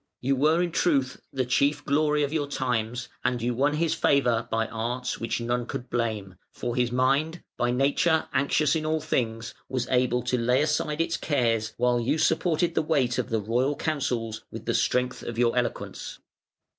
You were in truth the chief glory of your times, and you won his favour by arts which none could blame, for his mind, by nature anxious in all things, was able to lay aside its cares while you supported the weight of the royal counsels with the strength of your eloquence.